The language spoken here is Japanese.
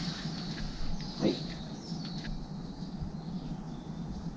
はい。